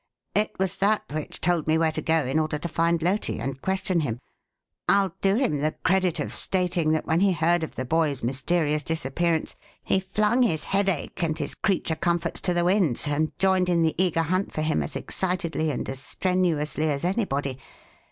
It was that which told me where to go in order to find Loti and question him. I'll do him the credit of stating that when he heard of the boy's mysterious disappearance he flung his headache and his creature comforts to the winds and joined in the eager hunt for him as excitedly and as strenuously as anybody.